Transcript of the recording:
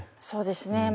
そうですね。